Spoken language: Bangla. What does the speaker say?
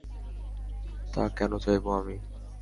তা কেন চাইবো আমি?